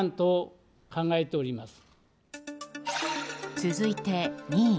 続いて、２位。